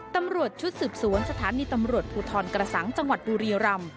ตำรวจชุดสืบสวนสถานีตำรวจภูทรกระสังจังหวัดบุรีรำ